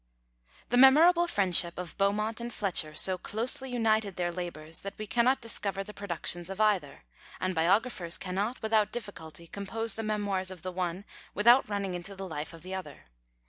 The memorable friendship of Beaumont and Fletcher so closely united their labours, that we cannot discover the productions of either; and biographers cannot, without difficulty, compose the memoirs of the one, without running into the life of the other.